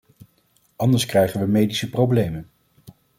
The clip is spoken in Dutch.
Anders krijgen we medische problemen.